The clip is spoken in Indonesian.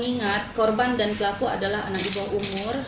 ingat korban dan pelaku adalah anak ibu umur